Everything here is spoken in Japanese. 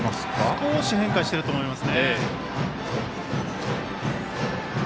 少し変化してると思います。